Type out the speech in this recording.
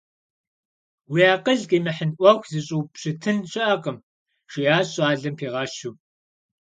Уи акъыл къимыхьын Ӏуэху зыщӀупщытын щыӀэкъым, – жиӀащ щӀалэм пигъэщу.